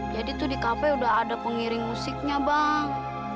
jadi tuh di cafe udah ada pengiring musiknya bang